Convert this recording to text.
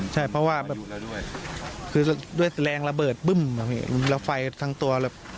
ใช่เพราะว่าด้วยแรงระเบิดปึ้มแล้วไฟทั้งตัว